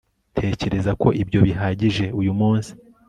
ntekereza ko ibyo bihagije uyu munsi